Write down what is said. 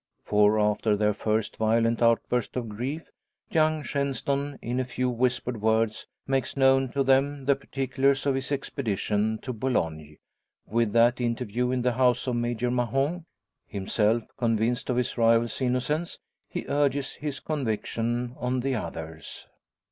For, after the first violent outburst of grief, young Shenstone, in a few whispered words, makes known to them the particulars of his expedition to Boulogne, with that interview in the house of Major Mahon. Himself convinced of his rival's innocence, he urges his conviction on the others.